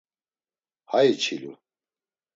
Hay içilu.